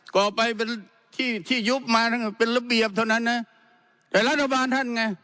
ต่อไปเป็นที่ที่ยุบมาท่านเป็นระเบียบเท่านั้นนะแต่รัฐบาลท่านไง